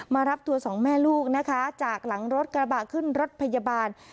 มารับตัวสองแม่ลูกนะคะจากหลังรถกระบะขึ้นรถพยาบาล